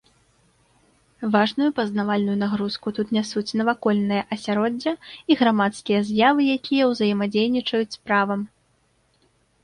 Важную пазнавальную нагрузку тут нясуць навакольнае асяроддзе і грамадскія з'явы, якія ўзаемадзейнічаюць з правам.